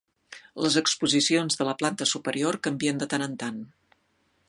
Les exposicions de la planta superior canvien de tant en tant.